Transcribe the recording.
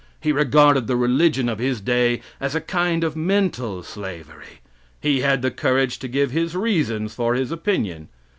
He regarded the religion of his day as a kind of mental slavery. He had the courage to give his reasons for his opinion.